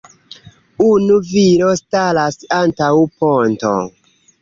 Unu viro staras antaŭ ponto.